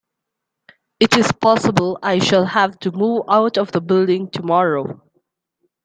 It is possible I shall have to move out of the building tomorrow.